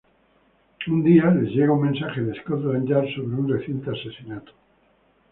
Un día les llega un mensaje de Scotland Yard sobre un reciente asesinato.